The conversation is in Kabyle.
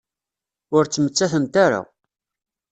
Ur ttmettatent ara.